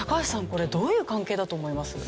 これどういう関係だと思います？